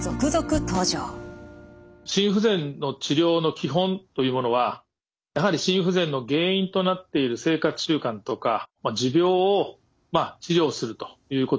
心不全の治療の基本というものはやはり心不全の原因となっている生活習慣とか持病を治療するということになります。